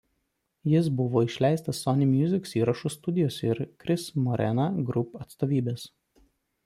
Jis buvo išleistas Sony Music įrašų studijos ir Cris Morena Group atstovybės.